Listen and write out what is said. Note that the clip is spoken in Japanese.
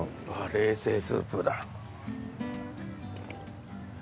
冷製スープだ。